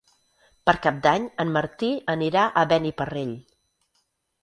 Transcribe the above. Per Cap d'Any en Martí anirà a Beniparrell.